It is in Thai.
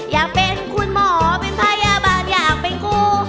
อยากเป็นคุณหมอเป็นพยาบาลอยากเป็นกู้